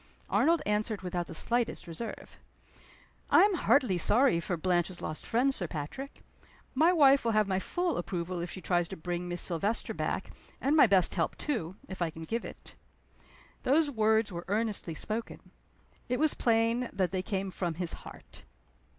Arnold answered without the slightest reserve "I am heartily sorry for Blanche's lost friend, Sir Patrick. My wife will have my full approval if she tries to bring Miss Silvester back and my best help too, if I can give it." Those words were earnestly spoken. It was plain that they came from his heart.